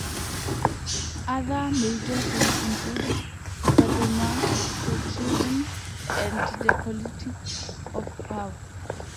Other major themes include sadomasochism and the politics of power.